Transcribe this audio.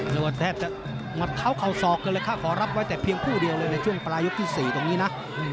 เรียกว่าแทบจะหมัดเท้าเข่าศอกกันเลยค่ะขอรับไว้แต่เพียงผู้เดียวเลยในช่วงปลายยกที่๔ตรงนี้นะ